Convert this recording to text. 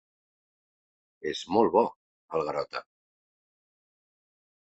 És molt bo, el Garota.